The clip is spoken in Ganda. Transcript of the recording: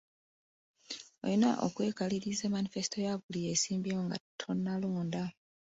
Olina okwekaliriza manifesito ya buli yeesimbyewo nga tonnalonda.